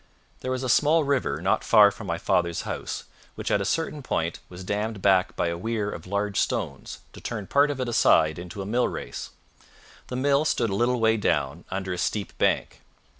There was a small river not far from my father's house, which at a certain point was dammed back by a weir of large stones to turn part of it aside into a mill race. The mill stood a little way down, under a steep bank.